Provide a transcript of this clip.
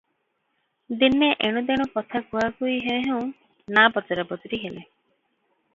ଦିନେ ଏଣୁ ତେଣୁ କଥା କୁହାକୁହି ହେଉଁ ହେଉଁ ନା' ପଚରାପଚରି ହେଲେ ।